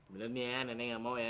belum ya nenek nggak mau ya